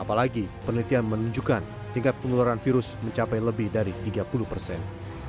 apalagi penelitian menunjukkan tingkat penularan virus mencapai lebih dari tiga puluh persen